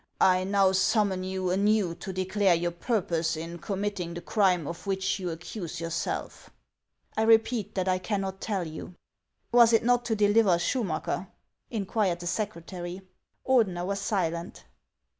I now summon you anew to declare your purpose in committing the crime of which you accuse yourself." " I repeat that I cannot tell you." " Was it not to deliver Schumacker ?" inquired the secretary. Ordener was silent.